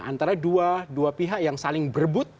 antara dua pihak yang saling berbut